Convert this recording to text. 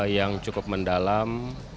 yang cukup mendalam